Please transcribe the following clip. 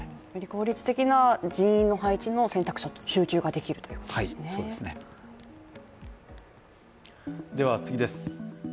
効率的な人員の配置の選択と集中ができるということですね。